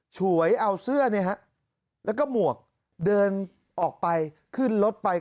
ฉวยเอาเสื้อแล้วก็หมวกเดินออกไปขึ้นรถไป